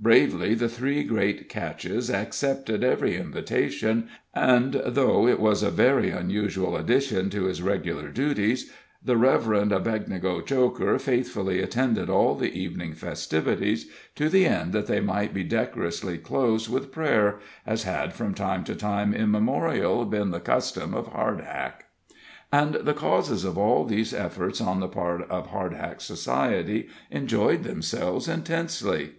Bravely the three great catches accepted every invitation, and, though it was a very unusual addition to his regular duties, the Reverend Abednego Choker faithfully attended all the evening festivities, to the end that they might be decorously closed with prayer, as had from time immemorial been the custom of Hardhack. And the causes of all these efforts on the part of Hardhack society enjoyed themselves intensely.